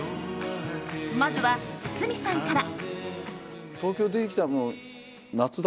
まずは堤さんから。